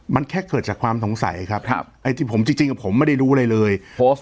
มันแค่เกิดจากความสงสัยครับไอ้ที่ผมจริงผมไม่ได้รู้อะไรเลยโพสต์